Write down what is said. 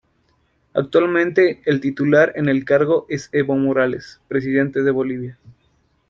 Actualmente el titular en el cargo es Evo Morales, presidente de Bolivia.